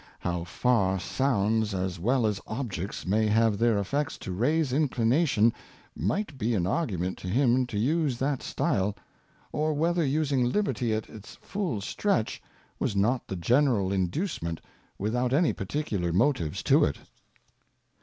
How far Sounds as well as Objects may have their Effects to raise Inclination, might be an Argument to him to use that Style ; or whether using Liberty at its full stretch, was not the general Induce ment without any particular Motives to it.